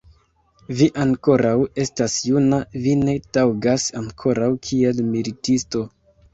Vi ankoraŭ estas juna, vi ne taŭgas ankoraŭ kiel militisto.